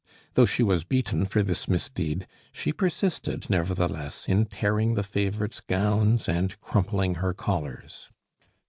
Though she was beaten for this misdeed, she persisted nevertheless in tearing the favorite's gowns and crumpling her collars.